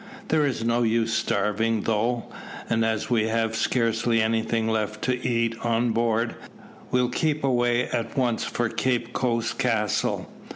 There is no use starving, though; and as we have scarcely anything left to eat on board, we'll keep away at once for Cape Coast Castle."